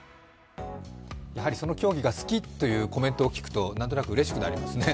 やはりその競技が好きというコメントを聞くと、なんとなくうれしくなりますね。